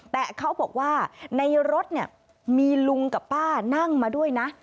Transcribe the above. แต่เขาบอกว่าในรถเนี่ยมีลุงกับป้านั่งมาด้วยนะ